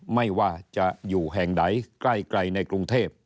ไม่ว่าจะอยู่แห่งไหนใกล้ในกรุงเทพ